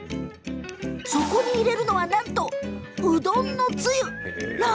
そこに入れたのは、なんとこれ、うどんのつゆなんです。